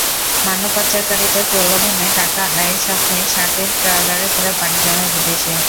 মানবপাচারকারীদের প্রলোভনে টাকা আয়ের স্বপ্নে শাকের ট্রলারে করে পাড়ি জমায় বিদেশে।